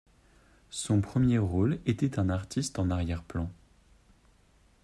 Son premier rôle était un artiste en arrière-plan.